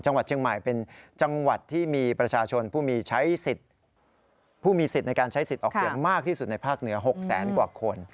จังหวัดเชียงใหม่เป็นจังหวัดที่มีประชาชนผู้มีใช้สิทธิ์ผู้มีสิทธิ์ในการใช้สิทธิ์ออกเสียงมากที่สุดในภาคเหนือ๖แสนกว่าคน